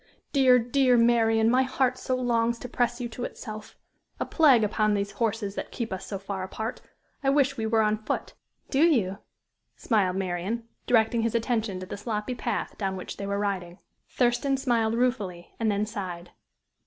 dear, dear Marian, my heart so longs to press you to itself. A plague upon these horses that keep us so far apart! I wish we were on foot!" "Do you?" smiled Marian, directing his attention to the sloppy path down which they were riding. Thurston smiled ruefully, and then sighed.